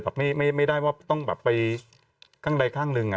แบบไม่ได้ว่าต้องแบบไปข้างใดข้างหนึ่ง